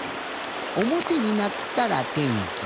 おもてになったら天気。